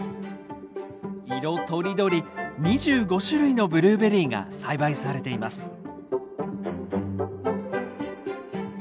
色とりどり２５種類のブルーベリーが栽培されています。